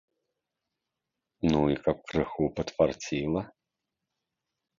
Ну і каб крыху падфарціла.